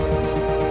kau mau makan malam